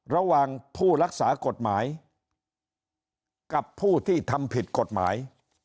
ระหว่างผู้รักษากฎหมายกับผู้ที่ทำผิดกฎหมาย